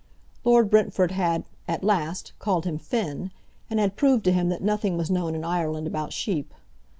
Lord Brentford had at last called him Finn, and had proved to him that nothing was known in Ireland about sheep.